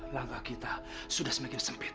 langkah kita sudah semakin sempit